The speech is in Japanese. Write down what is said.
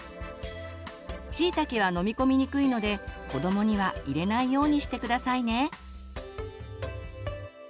しいたけは飲み込みにくいので子どもには入れないようにして下さいね。